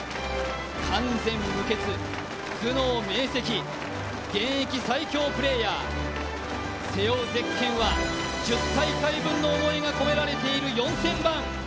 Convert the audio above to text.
完全無欠、頭脳明晰、現役最強プレーヤー、背負うぜっけんは１０大会ぶりの思いが込められている４０００番。